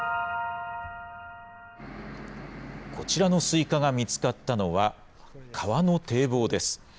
こちらのすいかが見つかったのは、川の堤防です。